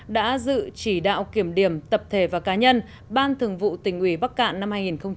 đã dự chỉ đạo kiểm điểm tập thể và cá nhân ban thường vụ tỉnh ủy bắc cạn năm hai nghìn một mươi chín